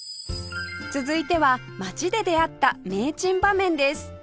続いては街で出会った名珍場面です